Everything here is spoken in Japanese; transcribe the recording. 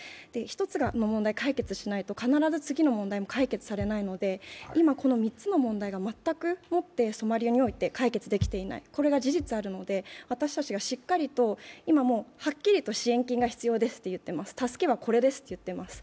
１つの問題が解決しないと、必ず次の問題も解決されないので、今この３つの問題がまったくもってソマリアにおいて解決できていない、これが事実あるので、私たちがしっかりと、今はっきりと支援金が必要ですと言っています、助けはこれですと言っています。